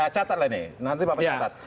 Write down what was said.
catat lah ini nanti bapak mencatat